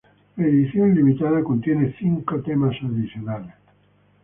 La edición limitada contiene cinco temas adicionales.